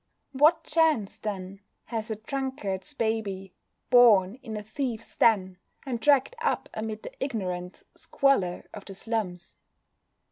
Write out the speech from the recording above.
What chance, then, has a drunkard's baby, born in a thieves' den, and dragged up amid the ignorant squalor of the slums?